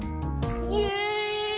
イエーイ！